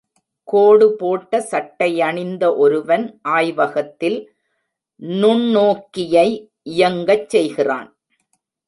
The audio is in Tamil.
கோடு போட்ட சட்டை அணிந்த ஒருவன், ஆய்வகத்தில் நுண்ணோக்கியை இயங்கச் செய்கிறான்.